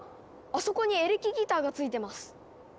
あそこにエレキギターが付いてます。